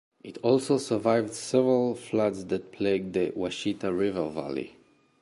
It also survived several floods that plagued the Washita River valley.